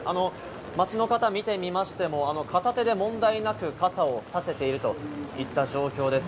街の方を見てみましても、片手で問題なく傘をさせているといった状況です。